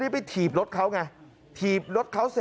ทำไมคงคืนเขาว่าทำไมคงคืนเขาว่า